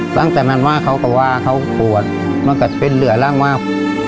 ตั้งแต่ว่ามั่งมาเขาก็ว่าเขาก็ปวดมันก็เป็นเหลือแล้งมาก